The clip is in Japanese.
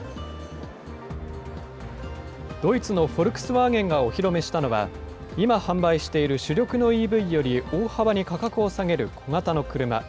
ドイツのフォルクスワーゲンがお披露目したのは、今、販売している主力のＥＶより大幅に価格を下げる小型の車。